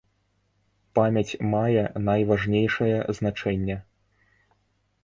Памяць мае найважнейшае значэнне.